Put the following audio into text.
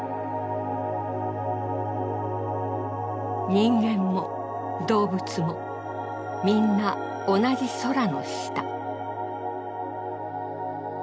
人間も動物もみんな同じ空の下。